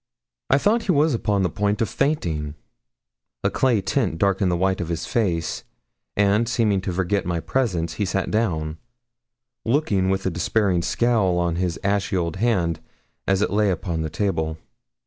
I thought he was upon the point of fainting a clay tint darkened the white of his face; and, seeming to forget my presence, he sat down, looking with a despairing scowl on his ashy old hand, as it lay upon the table.